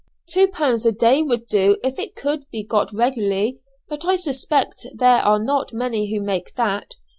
"Two pounds a day would do if it could be got regularly, but I suspect there are not many who make that?"